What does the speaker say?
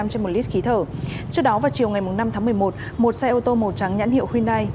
trước đó vào chiều ngày năm tháng một mươi một một xe ô tô màu trắng nhãn hiệu hyundai